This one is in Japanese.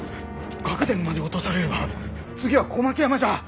楽田まで落とされれば次は小牧山じゃ！